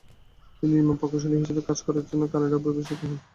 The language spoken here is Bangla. তিনি নির্মাণ প্রকৌশলী হিসেবে কাজ করার জন্য কানাডায় অভিবাসিত হন।